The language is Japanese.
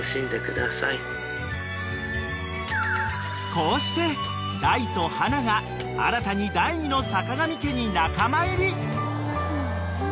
［こうして大と花が新たに第２のさかがみ家に仲間入り］